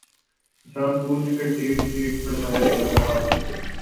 جان بوجھ کر death rate بڑھایا جا رہا ہے